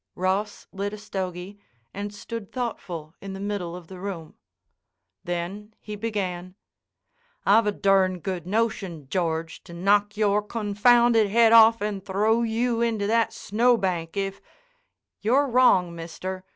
Ross lit a stogy and stood thoughtful in the middle of the room. Then he began: "I've a durn good notion, George, to knock your confounded head off and throw you into that snowbank, if—" "You're wrong, mister.